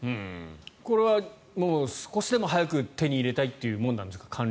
それは少しでも早く官僚は手に入れたいものなんですか？